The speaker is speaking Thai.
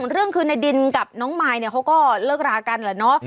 เรื่องคือในดินกับน้องมายเนี่ยเขาก็เลิกรากันแหละเนาะ